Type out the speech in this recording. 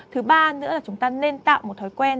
thứ ba nữa là chúng ta nên tạo một thói quen